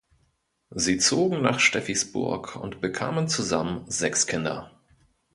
Sie zogen nach Steffisburg und bekamen zusammen sechs Kinder.